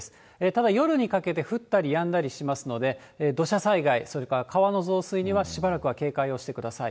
ただ夜にかけて、降ったりやんだりしますので、土砂災害、それから川の増水にはしばらくは警戒をしてください。